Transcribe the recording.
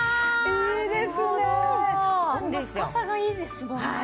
深さがいいですもんね。